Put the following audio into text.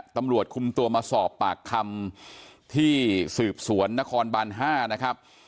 ตำรวจคุมตัวมาสอบปากคำที่สืบสวนนครบาน๕นะครับ